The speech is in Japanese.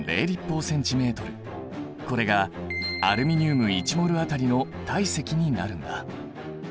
これがアルミニウム１ｍｏｌ当たりの体積になるんだ。